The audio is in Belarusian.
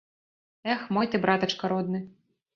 Эх, мой ты братачка родны!